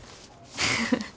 フフフ。